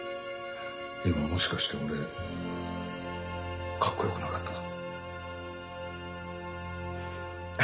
今もしかして俺カッコ良くなかったか？